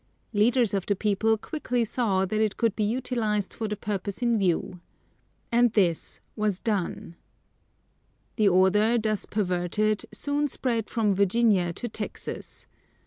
Leaders of the people quickly saw that it could be utilized for the purpose in view. And this was done. The order, thus perverted, soon spread from Virginia to Texas.